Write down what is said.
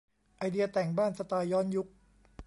ไอเดียแต่งบ้านสไตล์ย้อนยุค